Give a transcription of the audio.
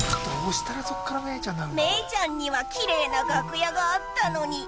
メイちゃんにはきれいな楽屋があったのに。